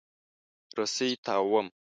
رسۍ تاووم.